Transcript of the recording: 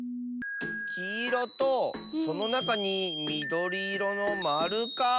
きいろとそのなかにみどりいろのまるか。